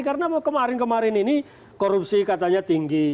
karena kemarin kemarin ini korupsi katanya tinggi